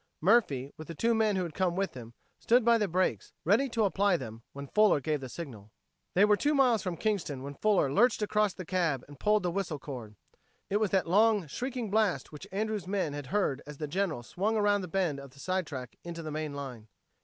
Murphy, with the two men who had come with them, stood by the brakes, ready to apply them when Fuller gave the signal. They were two miles from Kingston when Fuller lurched across the cab and pulled the whistle cord. It was that long shrieking blast which Andrews' men had heard as the General swung around the bend of the side track into the main line.